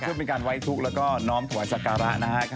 เพื่อเป็นการไว้ทุกข์แล้วก็น้อมถวายสักการะนะครับ